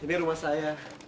ini rumah saya